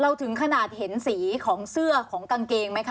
ถึงขนาดเห็นสีของเสื้อของกางเกงไหมคะ